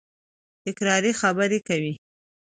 تکراري خبري کوي.